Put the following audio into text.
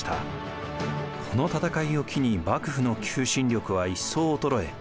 この戦いを機に幕府の求心力はいっそう衰え